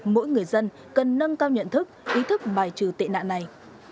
mỗi người dân cần nâng cao nhận thức ý thức bài trừ tệ nạn này